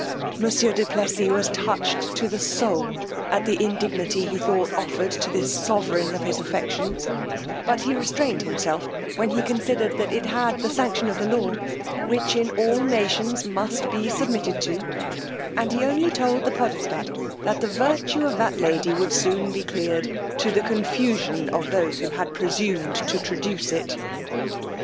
Monsieur du Plessis was touched to the soul at the indignity he thought offered to this sovereign of his affections; but he restrained himself when he considered that it had the sanction of law, which in all nations must be submitted to; and he only told the podestat, that the virtue of that lady would soon be cleared, to the confusion of those who had presumed to traduce it.